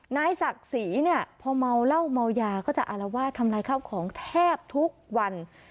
นายศักดิ์ศรีเนี่ยพอเมาเหล้าเมายาก็จะอารวาสทำลายข้าวของแทบทุกวัน